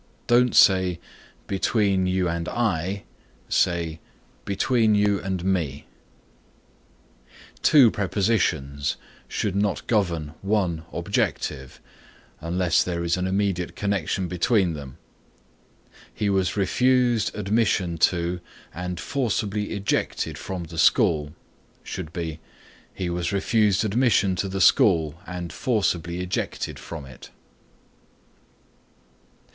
Don't say "Between you and I"; say "Between you and me" Two prepositions should not govern one objective unless there is an immediate connection between them. "He was refused admission to and forcibly ejected from the school" should be "He was refused admission to the school and forcibly ejected from it."